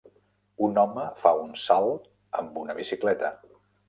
Un home fa un salt amb una bicicleta